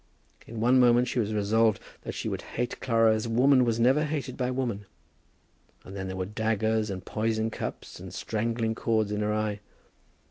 In one moment she resolved that she would hate Clara as woman was never hated by woman; and then there were daggers, and poison cups, and strangling cords in her eye.